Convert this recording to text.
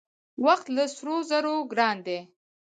وخت له سرو زرو ګران دی .